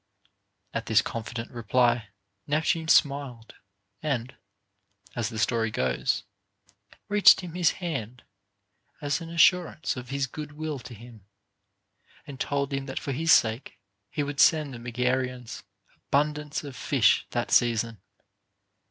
At this confident reply, Neptune smiled, and (as the story goes) reached him his hand, as an assurance of his good will to him, and told him that for his sake he would send the Megarians abundance of fish that season.